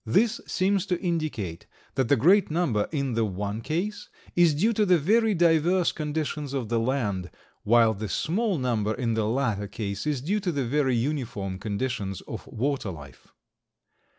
This seems to indicate that the great number in the one case is due to the very diverse conditions of the land, while the small number in the latter case is due to the very uniform conditions of water life.